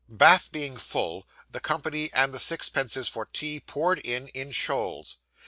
Bath being full, the company, and the sixpences for tea, poured in, in shoals.